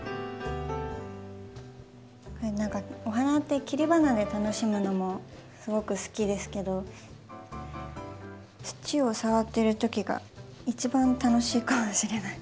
何かお花って切り花で楽しむのもすごく好きですけど土を触ってるときが一番楽しいかもしれない。